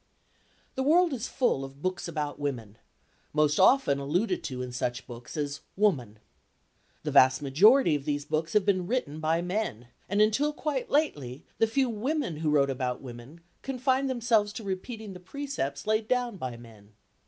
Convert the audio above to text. The world is full of books about women,—most often alluded to in such books as "Woman." The vast majority of these books have been written by men, and until quite lately the few women who wrote about women confined themselves to repeating the precepts laid down by men.